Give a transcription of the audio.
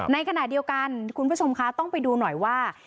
ในขณะเดียวกันคุณผู้ชมคะต้องไปดูหน่อยว่า